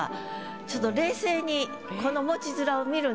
ちょっと冷静にこの文字面を見るんですよ。